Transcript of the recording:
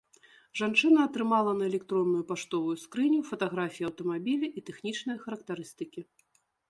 Жанчына атрымала на электронную паштовую скрыню фатаграфіі аўтамабіля і тэхнічныя характарыстыкі.